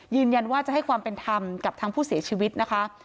ยืนยันว่าจะให้ความเป็นธรรมกับทางผู้เสียชีวิตนะคะ